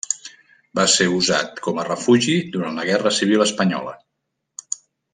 Va ser usat com a refugi durant la guerra civil espanyola.